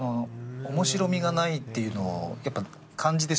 面白みがないっていうのをやっぱ感じてしまうので。